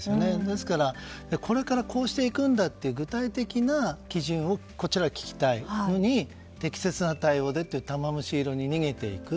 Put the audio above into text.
ですから、これからこうしていくんだという具体的な基準をこちらは聞きたいのに適切な対応でと玉虫色に逃げていく。